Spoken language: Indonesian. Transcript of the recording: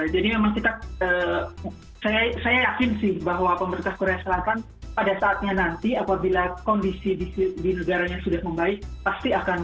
jadi memang kita saya yakin sih bahwa pemerintah korea selatan pada saatnya nanti apabila kondisi di negaranya sudah membaik pasti akan membuka wisata lagi untuk wisatawan asing